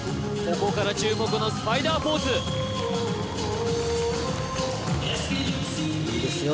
ここから注目のスパイダーポーズいいですよ